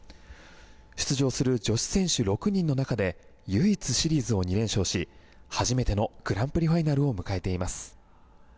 出場する女子選手６人の中で唯一シリーズを２連勝し初めてのグランプリファイナルを迎えています。